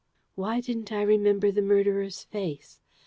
Why didn't I remember the murderer's face?